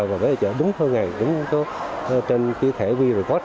và về chợ đúng thôi ngày đúng thôi trên cái thể wereport